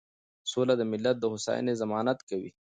سوله د ملت د هوساینې ضمانت کوي.